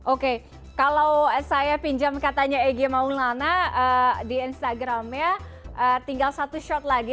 oke kalau saya pinjam katanya egy maulana di instagramnya tinggal satu shot lagi